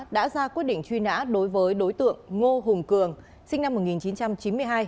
đã ra quyết định truy nã đối với đối tượng ngô hùng cường sinh năm một nghìn chín trăm chín mươi hai